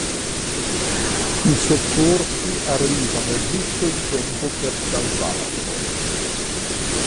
I soccorsi arrivano giusto in tempo per salvarlo.